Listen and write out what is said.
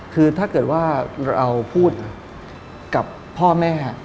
คือถ้าเกิดว่าเราพูดกับพ่อแม่